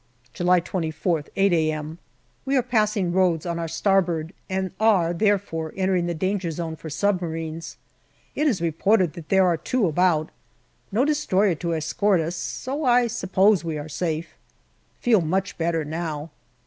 July 24,th, 8 a.m. We are passing Rhodes on our starboard, and are, there fore, entering the danger zone for submarines. It is re ported that there are two about. No destroyer to escort us, so I suppose we are safe. Feel much better now.